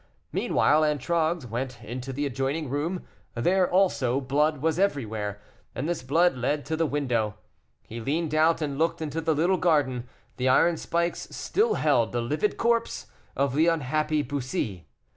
Meanwhile, Antragues went into the adjoining room; there also blood was everywhere, and this blood led to the window. He leaned out and looked into the little garden. The iron spikes still held the livid corpse of the unhappy Bussy.